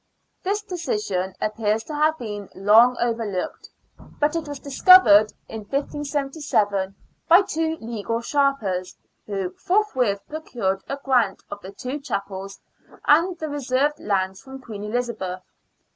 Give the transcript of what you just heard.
This decision appears to have been long over looked. But it was discovered in 1577 by two legal sharpers, who forthwith j^rocured a grant of the two chapels and the reserved lands from Queen Elizabeth.